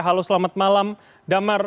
halo selamat malam damar